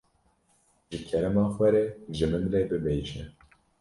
Ji kerema xwe re ji min re bibêje.